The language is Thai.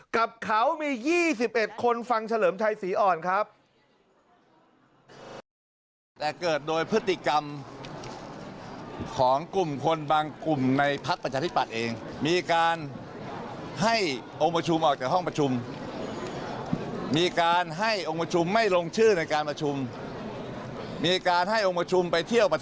กับเขามี๒๑คนฟังเฉลิมชัยศรีอ่อนครับ